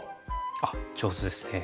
あっ上手ですね。